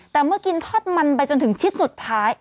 แต่เมื่อกินทอดมันไปจนถึงชิดสุดท้าย